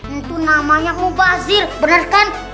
entu namanya mubazir bener kan